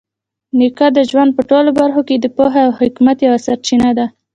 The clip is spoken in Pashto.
نیکه د ژوند په ټولو برخو کې د پوهې او حکمت یوه سرچینه ده.